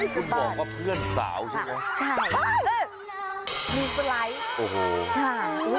คุณบอกว่าเพื่อนสาวใช่ไหมใช่มีสไลด์โอ้โหค่ะ